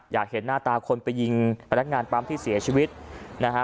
อยากเห็นหน้าตาคนไปยิงพนักงานปั๊มที่เสียชีวิตนะฮะ